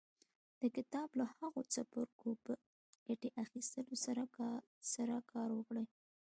د کتاب له هغو څپرکو په ګټې اخيستنې سره کار وکړئ.